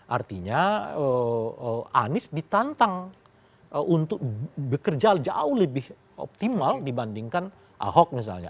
artinya anies ditantang untuk bekerja jauh lebih optimal dibandingkan ahok misalnya